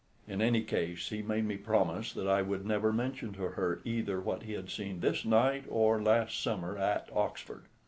In any case, he made me promise that I would never mention to her either what he had seen this night or last summer at Oxford.